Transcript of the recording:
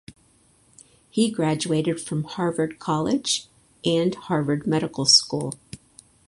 He graduated from Harvard College and Harvard Medical School.